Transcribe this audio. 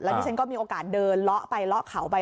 แล้วนี่ฉันก็มีโอกาสเดินละไปละเขาไป